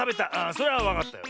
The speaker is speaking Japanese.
それはわかったよ。